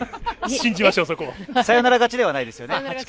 サヨナラ勝ちではないです。